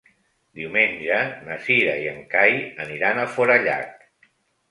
Diumenge na Cira i en Cai aniran a Forallac.